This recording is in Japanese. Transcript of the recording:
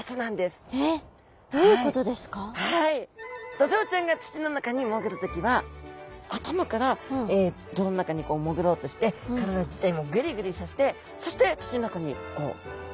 ドジョウちゃんが土の中に潜る時は頭から泥の中に潜ろうとして体自体もぐりぐりさせてそして土の中にこう入っていきます。